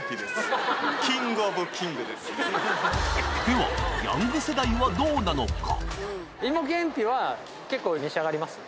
ではヤング世代はどうなのか？